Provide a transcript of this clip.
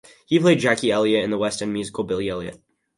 He played Jackie Elliot in the West End musical "Billy Elliot".